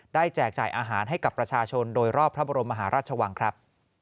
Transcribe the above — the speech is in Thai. แจกจ่ายอาหารให้กับประชาชนโดยรอบพระบรมมหาราชวังครับ